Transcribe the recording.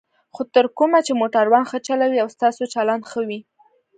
خو تر کومه چې موټران ښه چلوئ او ستاسو چلند ښه وي.